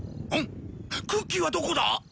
クッキーはどこだ？